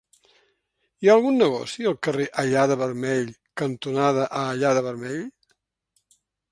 Hi ha algun negoci al carrer Allada-Vermell cantonada Allada-Vermell?